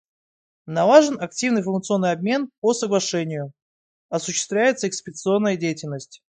Налажен активный информационный обмен по соглашению, осуществляется инспекционная деятельность.